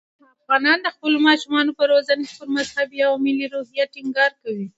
افغانان د خپلو ماشومانو په روزنه کې پر مذهبي او ملي روحیه ټینګار کوي.